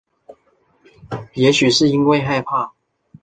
也许是因为害怕